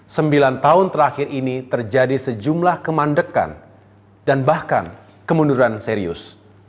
sembilan tahun terakhir ini terjadi sejumlah kemandekan dan bahkan kemunduran serius